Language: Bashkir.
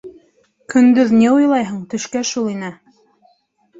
Көндөҙ ни уйлайһың, төшкә шул инә.